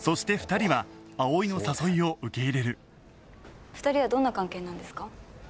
２人はどんな関係なんですか？